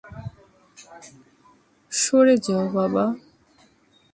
সরে যাও, বাবা!